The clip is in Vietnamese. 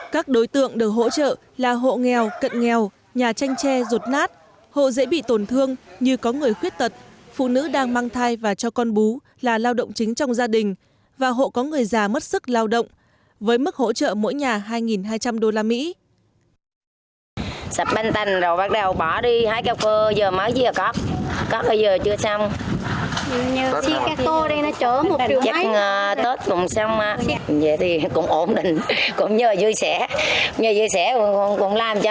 các đối tượng được hỗ trợ là hộ nghèo cận nghèo nhà tranh tre rụt nát hộ dễ bị tổn thương như có người khuyết tật phụ nữ đang mang thai và cho con bú là lao động chính trong gia đình và hộ có người già mất sức lao động với mức hỗ trợ mỗi nhà hai hai trăm linh usd